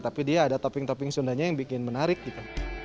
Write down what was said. tapi dia ada topping topping sundanya yang bikin menarik gitu